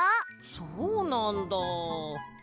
そうなんだ。